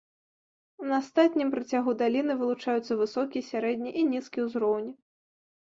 На астатнім працягу даліны вылучаюцца высокі, сярэдні і нізкі ўзроўні.